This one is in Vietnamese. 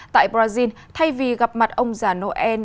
tại brazil thay vì gặp mặt ông già noel